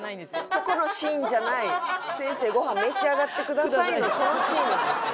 そこのシーンじゃない「先生ご飯召し上がってください」のそのシーンなんですね。